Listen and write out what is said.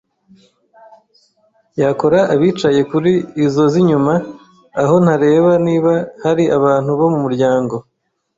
yakora abicaye kuri izo z’inyuma aho ntareba niba hari abantu bo mu muryango